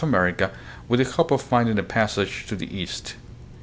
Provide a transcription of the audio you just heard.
75 America, with the hope of finding a passage to the East.